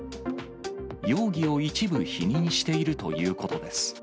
容疑を一部否認しているということです。